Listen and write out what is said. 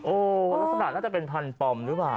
ลักษณะน่าจะเป็นพันธอมหรือเปล่า